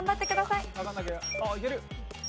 いける！